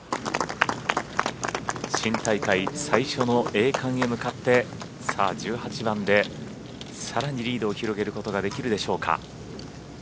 新大会最初の栄冠へ向かってさあ、１８番でさらにリードを広げることができるでしょうか。